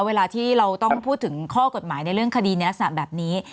เวลาที่เราต้องพูดถึงข้อกฎหมายในเรื่องคดีในลักษณะแบบนี้